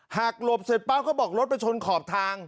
หลบเสร็จปั๊บเขาบอกรถไปชนขอบทาง